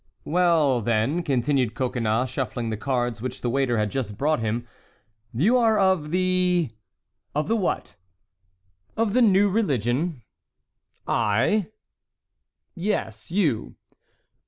"Well, then," continued Coconnas, shuffling the cards which the waiter had just brought him, "you are of the"— "Of the what?" "Of the new religion." "I?" "Yes, you."